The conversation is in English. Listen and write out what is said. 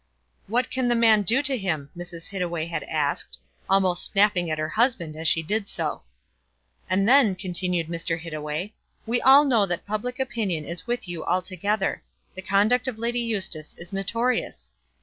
"What can the man do to him?" Mrs. Hittaway had asked, almost snapping at her husband as she did so. "And then," continued Mr. Hittaway, "we all know that public opinion is with you altogether. The conduct of Lady Eustace is notorious."